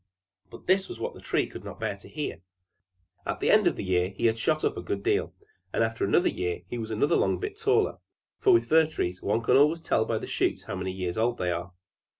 But this was what the Tree could not bear to hear. At the end of a year he had shot up a good deal, and after another year he was another long bit taller; for with fir trees one can always tell by the shoots how many years old they are.